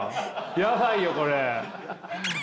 やばいよこれ！